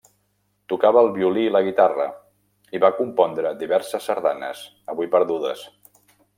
Tocava el violí i la guitarra i va compondre diverses sardanes, avui perdudes.